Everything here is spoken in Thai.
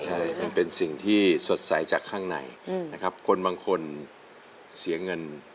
ใช่มันเป็นสิ่งที่สดใสจากข้างในนะครับคนบางคนเสียเงิน